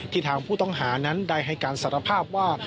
ทางผู้ต้องหานั้นได้ให้การสารภาพว่า